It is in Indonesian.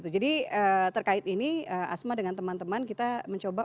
jadi terkait ini asma dengan teman teman kita mencoba